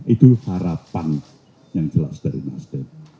itu harapan yang jelas dari nasdem